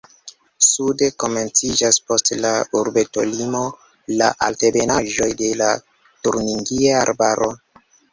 Sude komenciĝas post la urbetolimo la altebenaĵoj de la Turingia Arbaro.